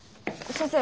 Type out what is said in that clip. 先生